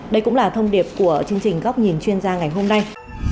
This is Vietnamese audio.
đây cũng là thông điệp của chương trình góc nhìn chuyên gia ngày hôm nay